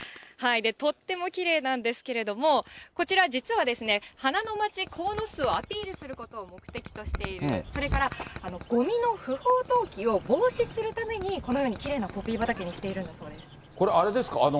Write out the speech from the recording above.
とってもきれいなんですけれども、こちら、実は花のまち鴻巣をアピールすることを目的としている、それから、ごみの不法投棄を防止するために、このようにきれいなポピー畑にしこれ、あれですか。